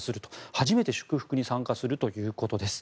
初めて祝福に参加するということです。